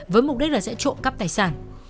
với mục đích là sẽ trộm cắp tài sản